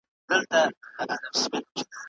ځینې کسان د دې اسانه لارې له زیانونو پوښتنه کوي.